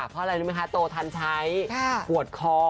เพราะโตทันใช้ขวดคอ